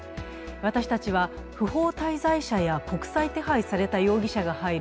私たちは不法滞在者や国際手配された容疑者がら入る